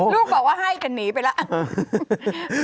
ลูกบอกว่าให้กันหนีไปแล้ว